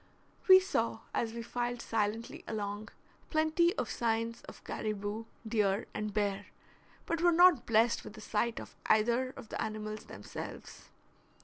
We saw, as we filed silently along, plenty of signs of caribou, deer, and bear, but were not blessed with a sight of either of the animals themselves.